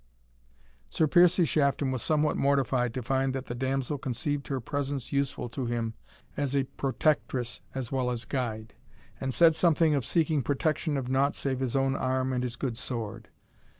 Sir Piercie Shafton was somewhat mortified to find that the damsel conceived her presence useful to him as a protectress as well as guide, and said something of seeking protection of nought save his own arm and his good sword.